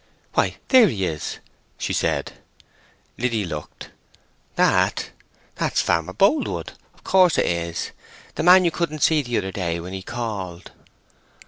"Why, there he is!" she said. Liddy looked. "That! That's Farmer Boldwood—of course 'tis—the man you couldn't see the other day when he called."